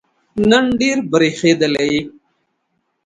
نن ډېر برېښېدلی یې